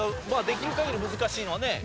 できる限り難しいのをね。